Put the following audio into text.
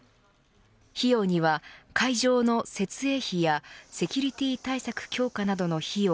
費用には、会場の設営費やセキュリティー対策強化などの費用